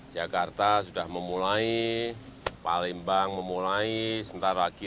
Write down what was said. jakarta sudah memulai palembang memulai